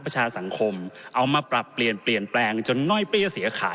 ประชาสังคมเอามาปรับเปลี่ยนเปลี่ยนแปลงจนน้อยเปี้ยเสียหาย